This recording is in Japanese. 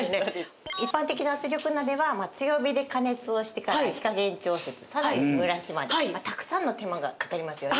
一般的な圧力鍋は強火で加熱をしてから火加減調節さらに蒸らしまでたくさんの手間がかかりますよね。